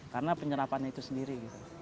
karena penyerapannya itu sendiri